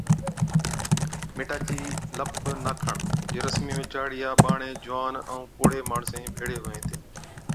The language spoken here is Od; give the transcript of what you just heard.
ميٽا چِي لپ ناکڻ، جي رسمي ۾ چاڙِيا، ٻاڙين، جوان ائُون پوڙھي ماڻيسن ڀيڙين ھُوَين ھِتين